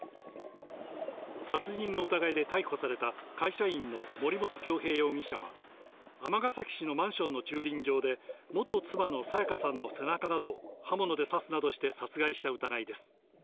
殺人の疑いで逮捕された会社員の森本恭平容疑者は尼崎市のマンションの駐輪場で元妻の彩加さんの背中などを刃物で刺すなどして殺害した疑いです。